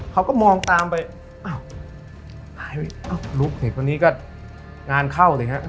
เขาก็มองตามไปอ้าวหายไปอ้าวลุกเห็นตัวนี้ก็งานเข้าเลยน่ะ